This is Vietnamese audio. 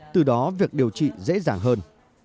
từ đó việc điều trị dễ dàng hơn